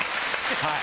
はい。